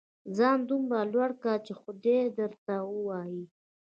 ځان دومره لوړ کړه چې خدای درته ووايي.